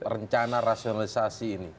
rencana rasionalisasi ini